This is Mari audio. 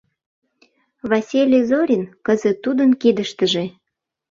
Василий Зорин кызыт тудын кидыштыже.